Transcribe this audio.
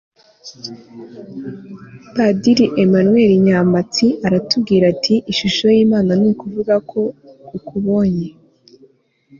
padiri emmanuel nyampatsi aratubwira ati ishusho y'imana ni ukuvuga ko ukubonye